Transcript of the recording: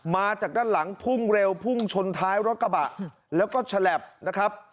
มาจากด้านหลังพุ่งเร็วพุ่งชนท้ายรถกระบะแล้วก็ฉลับนะครับ